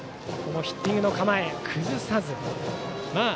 ヒッティングの構え崩さず。